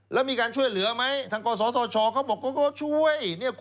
แล้วมีการช่วยเหลือไหมทางก่อสอตรชเขาบอกก็ช่วย